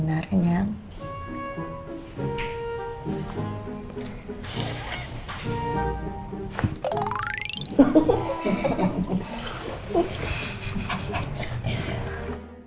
udah saya kenyal